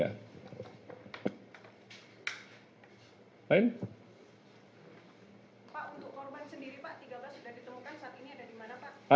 pak untuk korban sendiri pak tiga belas sudah ditemukan saat ini ada di mana pak